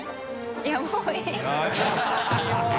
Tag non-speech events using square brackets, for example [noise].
いやもういい [laughs]